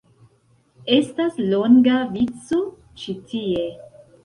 Estas longa vico ĉi tie